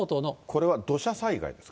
これは土砂災害ですか。